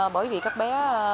bởi vì các bé